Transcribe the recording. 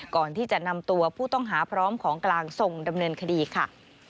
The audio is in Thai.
ก่อนที่จะนำตัวผู้ต้องหาพร้อมของกลางส่งดำเนินคดีค่ะ